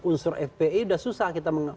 unsur fpi sudah susah kita